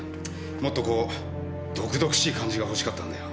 もっとこう毒々しい感じが欲しかったんだよ。